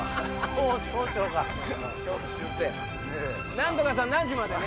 「何とかさん何時までね」。